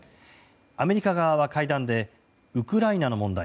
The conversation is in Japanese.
アメリカ側は会談でウクライナの問題